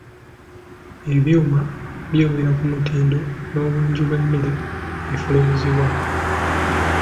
Ebyuma byongera ku mutindo n'obungi bw'emmere efulumizibwa.